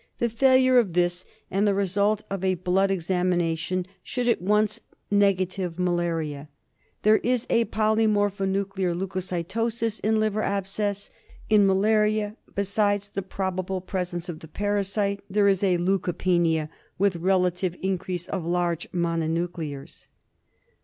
The failure of this, and the result of a blood examination should at once negative malaria. There is a polymorphonuclear leucocy tosis in liver abscess; in malaria, besides the probable presence of the parasite, there is a leucopenia with relative increase of large mononuclears.